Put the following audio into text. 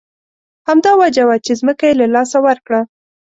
همدا وجه وه چې ځمکه یې له لاسه ورکړه.